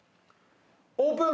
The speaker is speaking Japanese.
オープン。